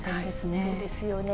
そうですよね。